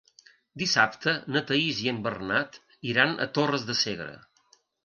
Dissabte na Thaís i en Bernat iran a Torres de Segre.